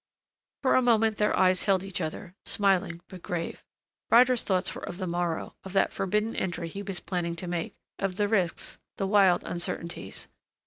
For a moment their eyes held each other, smiling but grave. Ryder's thoughts were of the morrow, of that forbidden entry he was planning to make, of the risks, the wild uncertainties....